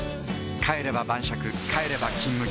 帰れば晩酌帰れば「金麦」